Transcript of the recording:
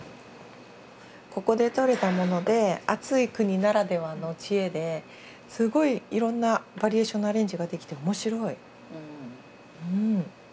ここでとれたもので暑い国ならではの知恵ですごいいろんなバリエーションのアレンジができて面白い。